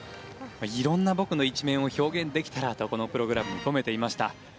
色んな僕の表面を表現できたらとこのプログラムに込めていました。